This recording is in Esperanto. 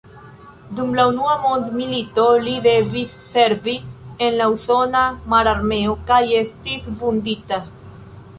Dum la Unua Mondmilito li devis servi en la usona mararmeo kaj estis vundita.